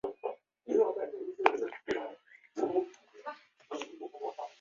复合是宇宙论中带电的电子和质子在宇宙中首度结合成电中性氢原子的时代。